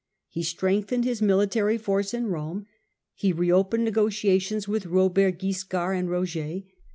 He strengthened his military force in Rome; he re opened negotiations with Robert Wiscard and Roger.